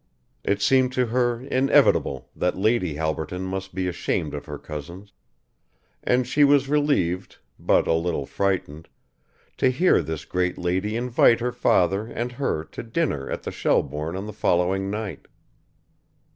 It seemed to her inevitable that Lady Halberton must be ashamed of her cousins, and she was relieved, but a little frightened, to hear this great lady invite her father and her to dinner at the Shelbourne on the following night.